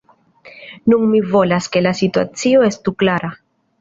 Nun mi volas, ke la situacio estu klara.